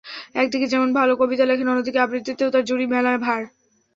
একদিকে যেমন ভালো কবিতা লেখেন অন্যদিকে আবৃত্তিতেও তাঁর জুড়ি মেলা ভার।